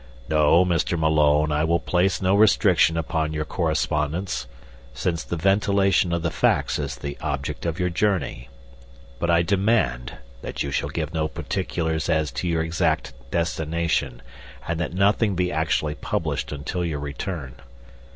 No, Mr. Malone, I will place no restriction upon your correspondence, since the ventilation of the facts is the object of your journey; but I demand that you shall give no particulars as to your exact destination, and that nothing be actually published until your return.